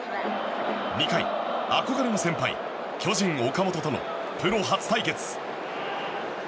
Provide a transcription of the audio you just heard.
２回、憧れの先輩巨人、岡本とのプロ初対決。